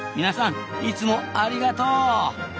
皆さんいつもありがとう！